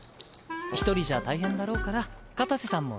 １人じゃ大変だろうから片瀬さんも一緒に。